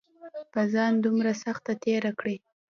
پۀ ځان دومره سخته تېره کړې